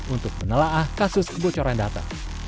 untuk menelah kasus kebocoran data